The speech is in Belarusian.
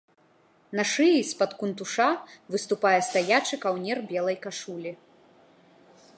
На шыі з-пад кунтуша выступае стаячы каўнер белай кашулі.